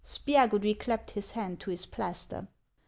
Spiagudry clapped his hand to his plaster.